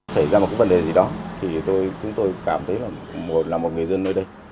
xảy ra một vấn đề gì đó thì chúng tôi cảm thấy là một người dân nơi đây